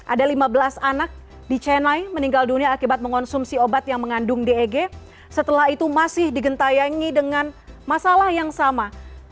seribu sembilan ratus tujuh puluh dua ada lima belas anak di chennai meninggal dunia akibat mengonsumsi obat yang mengandung deg setelah itu masih digentayangi dengan masalah yang sama